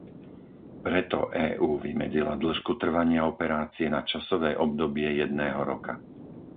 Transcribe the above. Preto EÚ vymedzila dĺžku trvania operácie na časové obdobie jedného roka.